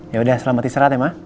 yaudah selamat istirahat ya ma